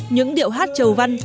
những điệu hát chầu văn